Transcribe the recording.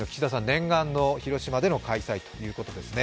念願の広島での開催ということになりました。